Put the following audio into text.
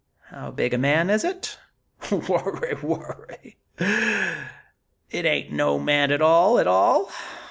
How big a man is it?" "Worra, worra! It ain't no man at all, at all!